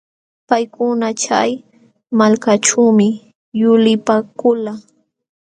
Paykuna chay malkaćhuumi yulipaakulqaa.